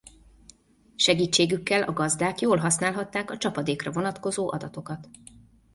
Segítségükkel a gazdák jól használhatták a csapadékra vonatkozó adatokat.